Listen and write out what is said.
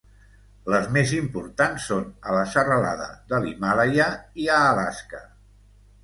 Les més importants són a la serralada de l'Himàlaia i a Alaska.